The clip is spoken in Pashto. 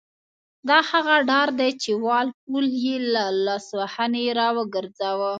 دا هغه ډار دی چې وال پول یې له لاسوهنې را وګرځاوه.